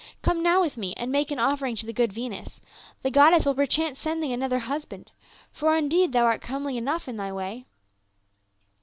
" Come now with me, and make an offering to the good Venus ; the goddess will perchance send thee another husband — for indeed thou art comely enough in thy way."